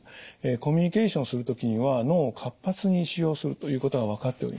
コミュニケーションする時には脳を活発に使用するということが分かっております。